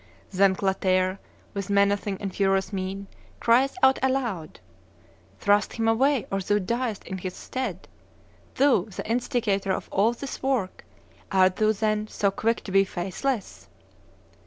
Then Clotaire, with menacing and furious mien, crieth out aloud, 'Thrust him away, or thou diest in his stead: thou, the instigator of all this work, art thou, then, so quick to be faithless?